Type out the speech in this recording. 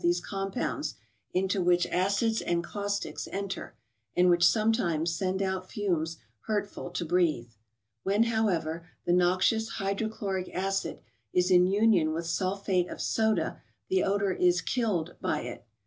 these compounds, into which acids and caustics enter, and which sometimes send out fumes hurtful to breathe. When, however, the noxious hydrochloric acid is in union with sulphate of soda, the odor is " killed " by it.